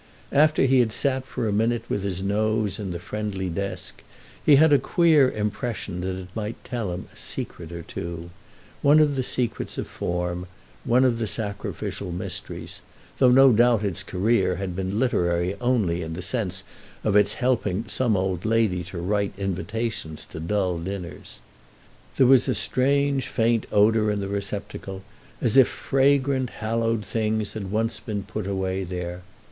After he had sat for a minute with his nose in the friendly desk he had a queer impression that it might tell him a secret or two—one of the secrets of form, one of the sacrificial mysteries—though no doubt its career had been literary only in the sense of its helping some old lady to write invitations to dull dinners. There was a strange, faint odour in the receptacle, as if fragrant, hallowed things had once been put away there.